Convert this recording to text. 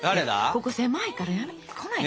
ここ狭いからやめて来ないで。